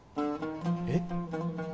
えっ。